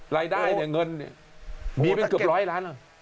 รายได้เนี่ยเงินมีเป็นเกือบร้อยล้านแล้ว